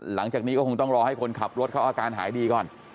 หลังจากนี้ก็คงต้องรอให้คนขับรถเขาอาการหายดีก่อน